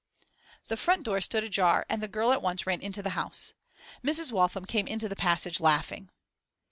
The front door stood ajar, and the girl at once ran into the house. Mrs. Waltham came into the passage laughing.